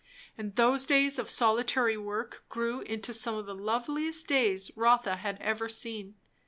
And those days of solitary work grew into some of the loveliest days Rotha had ever seen.